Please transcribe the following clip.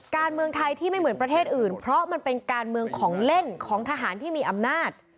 การเมืองไทยที่ไม่เหมือนประเทศอื่นเพราะมันเป็นการเมืองของเล่นของทหารที่มีอำนาจ